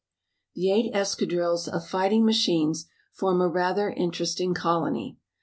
The eight escadrilles of fighting machines form a rather interesting colony.